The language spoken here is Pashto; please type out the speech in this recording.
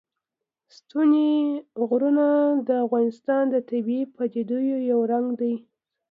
ستوني غرونه د افغانستان د طبیعي پدیدو یو رنګ دی.